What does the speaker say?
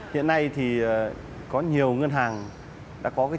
hiện nay thì có nhiều ngân hàng đã có chính sách